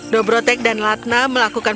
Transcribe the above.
dobrotek dan latna melakukan